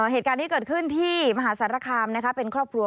เหตุการณ์นี้เกิดขึ้นที่มหาสารคามเป็นครอบครัว